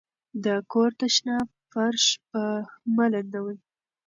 د کور تشناب فرش مه لندوئ.